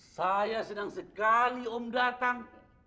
saya senang sekali om datang